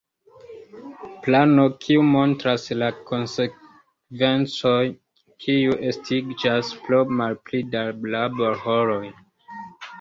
Plano, kiu montras la konsekvencojn kiuj estiĝas pro malpli da laborhoroj.